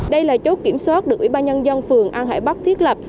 đây là chốt kiểm soát được ủy ban nhân dân phường an hải bắc thiết lập